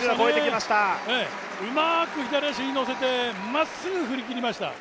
うまく左足にのせてまっすぐ振り切りました。